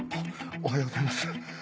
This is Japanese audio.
おはようございます。